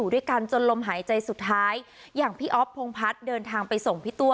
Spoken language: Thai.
ด้วยกันจนลมหายใจสุดท้ายอย่างพี่อ๊อฟพงพัฒน์เดินทางไปส่งพี่ตัว